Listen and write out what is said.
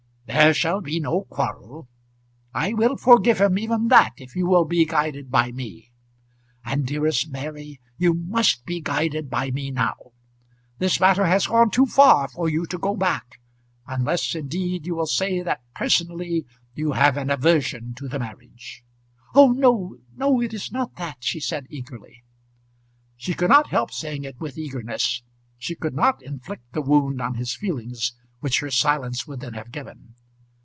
"There shall be no quarrel. I will forgive him even that if you will be guided by me. And, dearest Mary, you must be guided by me now. This matter has gone too far for you to go back unless, indeed, you will say that personally you have an aversion to the marriage." "Oh, no; no; it is not that," she said eagerly. She could not help saying it with eagerness. She could not inflict the wound on his feelings which her silence would then have given.